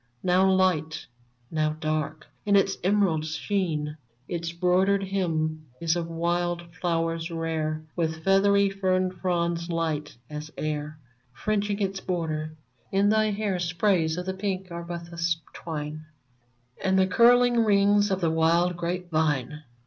Now light,' now dark, in its emerald sheen. Its broidered hem is of wild flowers rare, With feathery fern fronds light as air Fringing its borders. In thy hair Sprays of the pink arbutus twine. And the curling rings of the wild grape vine.